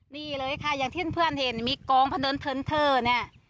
นี่เลยค่ะอย่างที่เพื่อนเห็นมีกองพะเนินเทินเทอร์เนี่ย